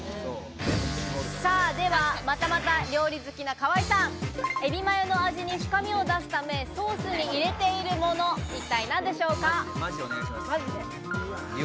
では、またまた料理好きな河井さん、エビマヨの味に深みを出すため、ソースに入れているもの、一体何でしょうか？